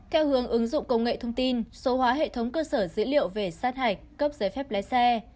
theo hướng ứng dụng công nghệ thông tin số hóa hệ thống cơ sở dữ liệu về sát hạch cấp giấy phép lái xe